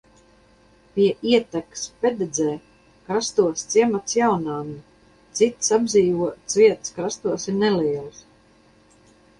Pie ietekas Pededzē krastos ciemats Jaunanna, citas apdzīvotās vietas krastos ir nelielas.